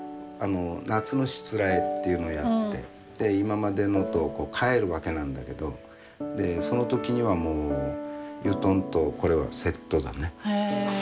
夏のしつらえっていうのをやって今までのと変える訳なんだけどその時にはもう油団とこれはセットだね。